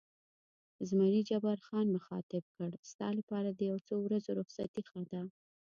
زمري جبار خان مخاطب کړ: ستا لپاره د یو څو ورځو رخصتي ښه ده.